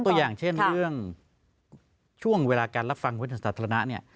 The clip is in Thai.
ยกตัวอย่างเช่นเรื่องช่วงเวลาการรับฟังวิทยาศาสตร์ธรรมนั้น